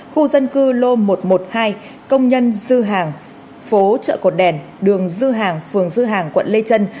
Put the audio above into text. khu dân cư lô một trăm một mươi hai công nhân dư hàng phố chợ cột đèn đường dư hàng phường dư hàng quận lê trân